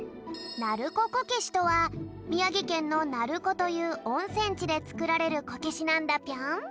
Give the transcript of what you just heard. なるここけしとはみやぎけんの「なるこ」というおんせんちでつくられるこけしなんだぴょん。